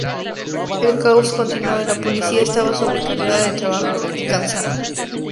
El caos continuó, y la policía estaba sobrecargada de trabajo y cansada.